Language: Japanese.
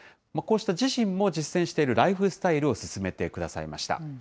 こうした自身も実践しているライフスタイルを薦めてくださいました。